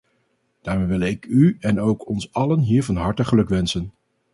Daarmee wil ik u en ook ons allen hier van harte gelukwensen.